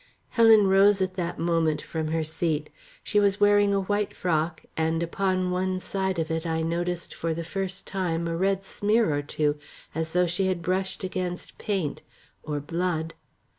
Helen Mayle rose at that moment from her seat. She was wearing a white frock, and upon one side of it I noticed for the first time a red smear or two, as though she had brushed against paint or blood.